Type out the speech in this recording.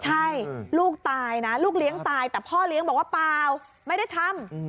ใช่ลูกตายนะลูกเลี้ยงตายแต่พ่อเลี้ยงบอกว่าเปล่าไม่ได้ทำ